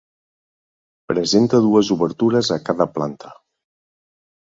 Presenta dues obertures a cada planta.